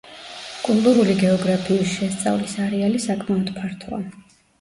კულტურული გეოგრაფიის შესწავლის არეალი საკმაოდ ფართოა.